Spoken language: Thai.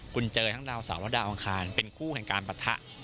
คุณเจอทั้งดาวเสาร์และดาวอังคารเป็นคู่แห่งการปะทะ